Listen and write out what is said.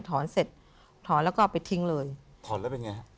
ถอนเสร็จถอนแล้วก็เอาไปทิ้งเลยถอนแล้วเป็นไงฮะ